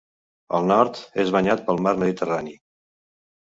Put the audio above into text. Al nord, és banyat pel Mar Mediterrani.